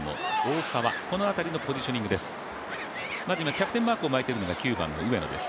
キャプテンマークを巻いているのが９番の上野です。